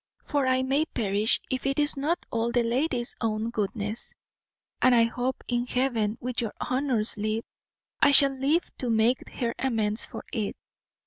For may I perish if it is not all the lady's own goodness, and I hope in Heaven, with your honour's leave, I shall live to make her amends for it."